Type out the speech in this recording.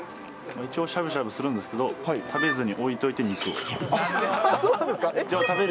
一応しゃぶしゃぶするんですけど、食べずに置いといて肉を食べる。